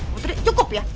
putri cukup ya